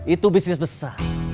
itu bisnis besar